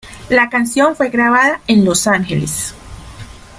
La canción fue grabada en Los Ángeles.